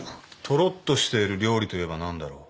とろっとしている料理といえば何だろう？